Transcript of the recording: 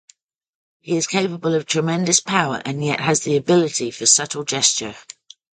He is capable of tremendous power and yet has the ability for subtle gesture.